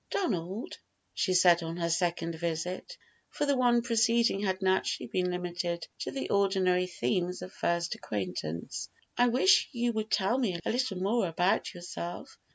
"Donald," she said on her second visit, for the one preceding had naturally been limited to the ordinary themes of first acquaintance, "I wish you would tell me a little more about yourself.